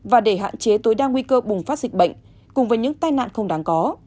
và để hạn chế tối đa nguy cơ bùng phát dịch bệnh cùng với những tai nạn không đáng có